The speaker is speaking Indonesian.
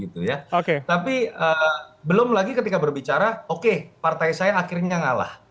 tapi belum lagi ketika berbicara oke partai saya akhirnya ngalah